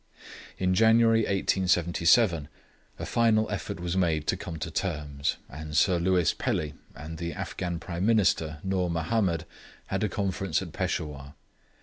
In January 1877 a final effort was made to come to terms, and Sir Lewis Pelly and the Afghan Prime Minister, Noor Mahomed, had a conference at Peshawur.